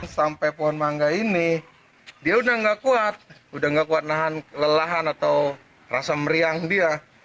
sampai pohon mangga ini dia udah gak kuat udah gak kuat kelelahan atau rasa meriang dia